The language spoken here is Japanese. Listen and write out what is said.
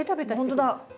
ほんとだ！